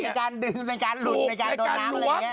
การดึงในการหลุดในการโดนน้ำอะไรอย่างนี้